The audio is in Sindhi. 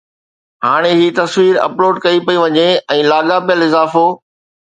ھاڻي ھي تصوير اپلوڊ ڪئي پئي وڃي ۽ لاڳاپيل اضافو